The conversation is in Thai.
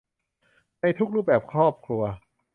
ในทุกรูปแบบครอบครัว